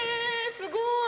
すごい。